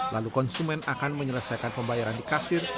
lalu konsumen akan menyelesaikan pembayaran di kasir